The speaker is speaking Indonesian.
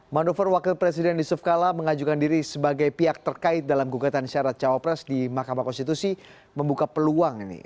manuver wakil presiden yusuf kala mengajukan diri sebagai pihak terkait dalam gugatan syarat cawapres di mahkamah konstitusi membuka peluang ini